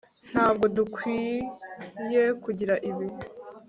ntabwo dukwiye kugira ibi